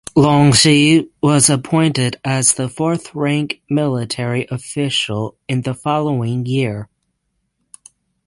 Longxi was appointed as the fourth rank military official in the following year.